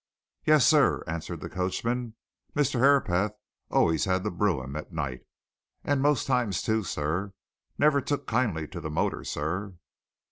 "Yes, sir," answered the coachman. "Mr. Herapath always had the brougham at night and most times, too, sir. Never took kindly to the motor, sir."